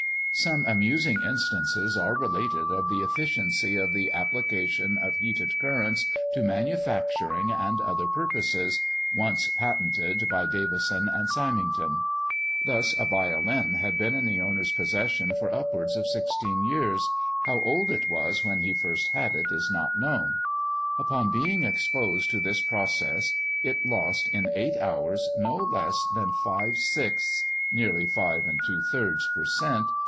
Some amusing instances are related of the efficiency of "the Application of Heated Currents to Manufacturing and other Purposes," once patented by Davison and Symington. Thus, a violin had been in the owner's possession for upwards of sixteen years, how old it was when he first had it is not known. Upon being exposed to this process, it lost in eight hours no less than five sixths (nearly five and two thirds) per cent.